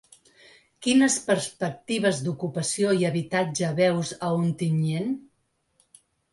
Quines perspectives d’ocupació i habitatge veus a Ontinyent?